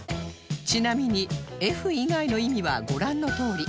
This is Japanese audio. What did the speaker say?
ちなみに Ｆ 以外の意味はご覧のとおり